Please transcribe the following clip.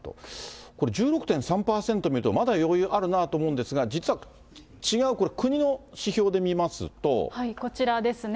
これ、１６．３％見ると、まだ余裕あるなと思うんですが、こちらですね。